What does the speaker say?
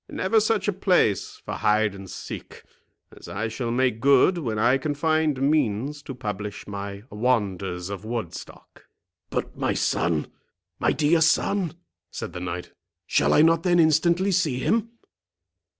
Never such a place for hide and seek, as I shall make good when I can find means to publish my Wonders of Woodstock." "But, my son—my dear son," said the knight, "shall I not then instantly see him!